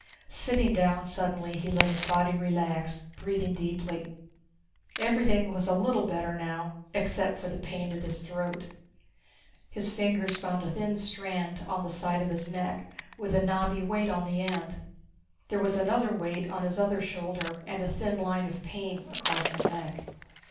Sitting down suddenly, he let his body relax, breathing deeply. Everything was a little better now, except for the pain at his throat. His fingers found a thin strand on the side of his neck with a knobby weight on the end. There was another weight on his other shoulder and a thin line of pain across his neck.